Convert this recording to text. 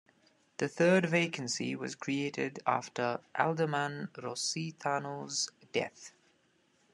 The third vacancy was created after Alderman Rositano's death.